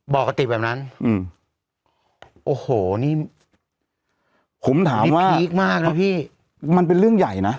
บอกกะติกแบบนั้นอืมโอ้โหนี่ผมถามว่ามันเป็นเรื่องใหญ่น่ะ